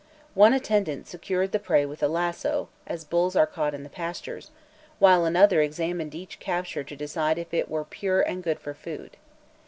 One attendant secured the prey with a lasso, as bulls are caught in the pastures, while another examined each capture to decide if it were pure and good for food.